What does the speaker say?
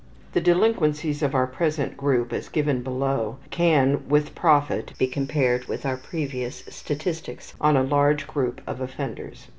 The delinquencies of our present group as given below can with profit be compared with our previous statistics on a large group of offenders.